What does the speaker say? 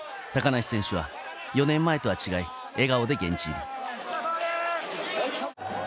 高梨選手は４年前とは違い、笑顔で現地入り。